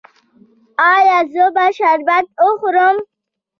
ایا زه باید شربت وخورم؟